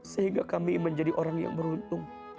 sehingga kami menjadi orang yang beruntung